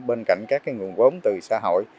bên cạnh các nguồn vốn từ xã hội